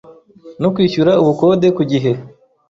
no kwishyura ubukode ku gihe